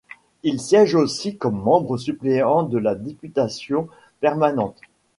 Il siège aussi comme membre suppléant de la députation permanente.